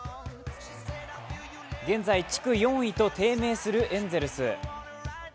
現在、地区４位と低迷するエンゼルス。